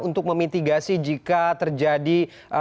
untuk memitigasi jika terjadi